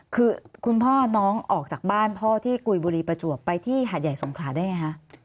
คือคุณพ่อน้องออกจากบ้านพ่อที่กุยบุรีประจวบไปที่หาดใหญ่สงขลาได้ไงคะ